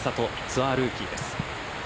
ツアールーキーです。